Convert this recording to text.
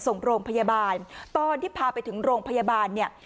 ส่งโรงพยาบาลตอนที่พาไปถึงโรงพยาบาลเนี่ย